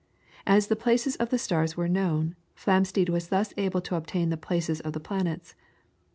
As the places of the stars were known, Flamsteed was thus able to obtain the places of the planets.